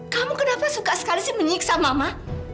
kamu kenapa suka sekali sih menyiksa mama